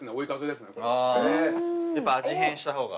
やっぱ味変したほうが。